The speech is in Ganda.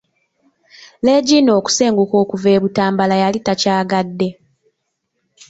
Leegina okusenguka okuva e Butambala yali takyagadde.